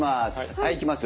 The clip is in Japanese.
はいいきますよ